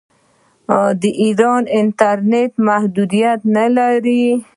آیا ایران د انټرنیټ محدودیتونه نلري؟